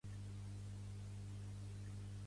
Em dic Kai Del Rio: de, e, ela, espai, erra, i, o.